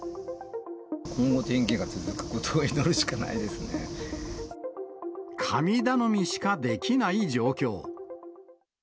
今後、天気が続くことを祈る神頼みしかできない状況。